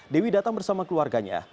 dewi datang bersama keluarganya